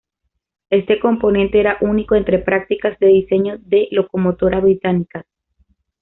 Este componente era único entre prácticas de diseño de locomotora británicas.